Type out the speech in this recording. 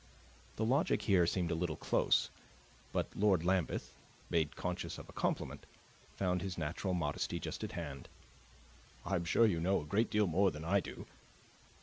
The logic here seemed a little close; but Lord Lambeth, made conscious of a compliment, found his natural modesty just at hand. "I am sure you know a great deal more than I do."